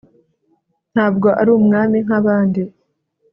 ntabwo uri umwami nk'abandi